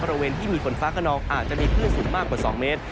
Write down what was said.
บริเวณที่มีฝนฟ้าขนองอาจจะมีคลื่นสูงมากกว่า๒เมตร